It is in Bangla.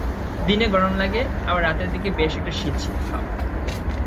দিনে গরম লাগে, আবার রাতের দিকে বেশ একটা শীত শীত ভাব।